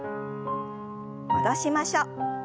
戻しましょう。